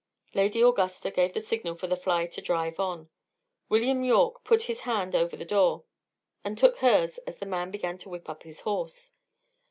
Lady Augusta gave the signal for the fly to drive on. William Yorke put his hand over the door, and took hers as the man began to whip up his horse.